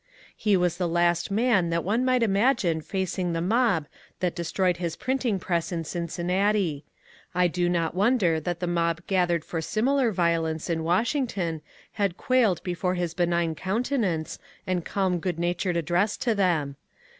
He was the last man that one might imagine facing the mob that de stroyed his printing press in CincinnatL I do not wonder that the mob gathered for similar violence in Washington had quailed before his benign countenance and calm good natured address to them.